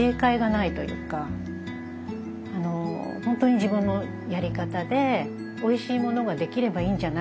本当に自分のやり方でおいしいものができればいいんじゃない？